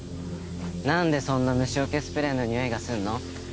なんでそんな虫よけスプレーのにおいがするの？